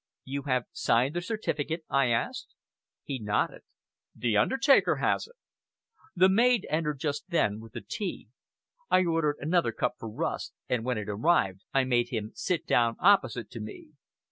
"You have signed the certificate?" I asked. He nodded. "The undertaker has it." The maid entered just then with the tea. I ordered another cup for Rust, and when it had arrived, I made him sit down opposite to me.